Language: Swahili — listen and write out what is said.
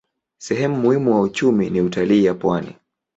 Sehemu muhimu wa uchumi ni utalii ya pwani.